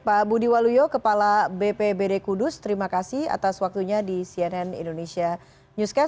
pak budi waluyo kepala bpbd kudus terima kasih atas waktunya di cnn indonesia newscast